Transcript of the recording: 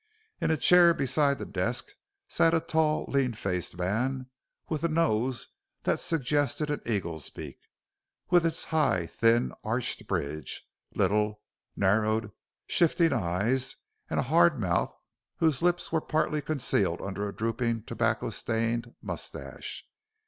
In a chair beside the desk sat a tall, lean faced man, with a nose that suggested an eagle's beak, with its high, thin, arched bridge, little, narrowed, shifting eyes, and a hard mouth whose lips were partly concealed under a drooping, tobacco stained mustache.